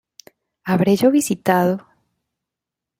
¿Habré yo visitado?